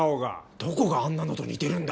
どこがあんなのと似てるんだ！